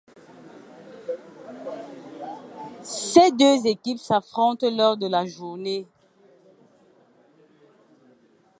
Ces deux équipes s'affrontent lors de la journée.